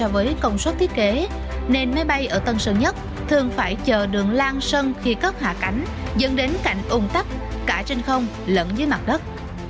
với công suất thiết kế nên máy bay ở tân sơn nhất thường phải chờ đường lan sân khi cất hạ cánh dẫn đến cạnh ủng tắc cả trên không lẫn dưới mặt đất